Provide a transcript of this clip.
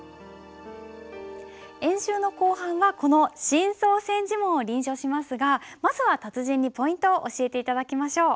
演習の後半はこの「真草千字文」を臨書しますがまずは達人にポイントを教えて頂きましょう。